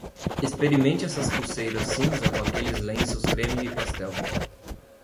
Experimente essas pulseiras cinza com aqueles lenços creme e pastel.